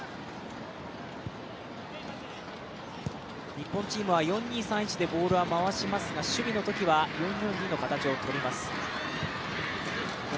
日本チームは４−２−３−１でボールは回しますが守備のときは４−４−２の形をとります